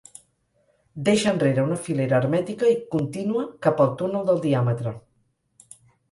Deixa enrere una filera hermètica i contínua cap al túnel del diàmetre.